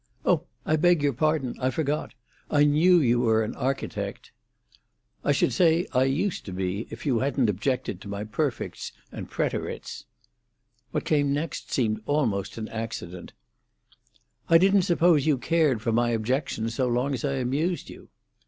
"Oh, I beg your pardon; I forgot. I knew you were an architect." "I should say I used to be, if you hadn't objected to my perfects and preterits." What came next seemed almost an accident. "I didn't suppose you cared for my objections, so long as I amused you."